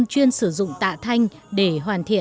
chuyện tốt và những chuyện tệ